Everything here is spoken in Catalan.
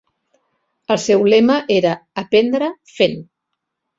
El seu lema era "aprendre fent".